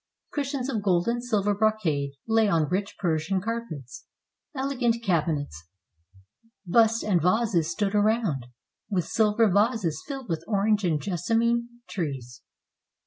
Cushions of gold and silver brocade lay on rich Persian carpets. Elegant cabinets, busts, and vases stood around, with silver vases filled with orange and jessamine trees.